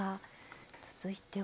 続いては。